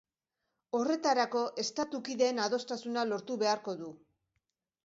Horretarako, estatu kideen adostasuna lortu beharko du.